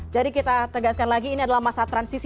jadi kita tegaskan lagi ini adalah masa transisi